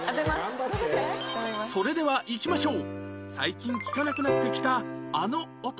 それではいきましょう